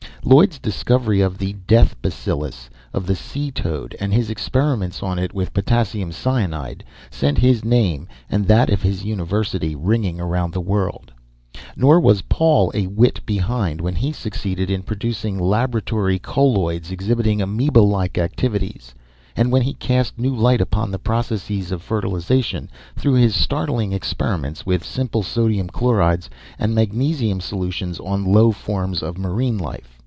Lloyd's discovery of the "death bacillus" of the sea toad, and his experiments on it with potassium cyanide, sent his name and that of his university ringing round the world; nor was Paul a whit behind when he succeeded in producing laboratory colloids exhibiting amoeba like activities, and when he cast new light upon the processes of fertilization through his startling experiments with simple sodium chlorides and magnesium solutions on low forms of marine life.